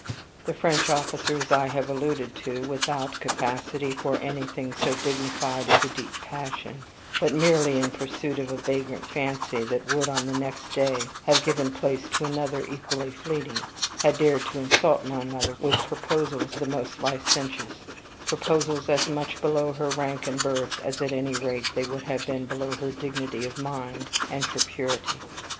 The French officers I have alluded to, without capacity for anything so dignified as a deep passion, but merely in pursuit of a vagrant fancy that would, on the next day, have given place to another equally fleeting, had dared to insult my mother with proposals the most licentious proposals as much below her rank and birth, as, at any rate, they would have been below her dignity of mind and her purity.